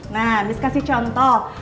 nah misal kasih contoh